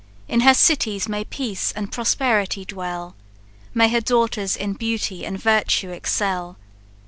In her cities may peace and prosperity dwell! May her daughters in beauty and virtue excel!